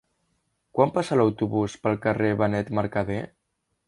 Quan passa l'autobús pel carrer Benet Mercadé?